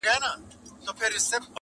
• دواړي سترګي یې تړلي وې روان وو -